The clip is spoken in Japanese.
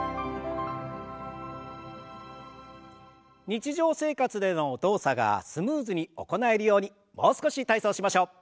日常生活での動作がスムーズに行えるようにもう少し体操をしましょう。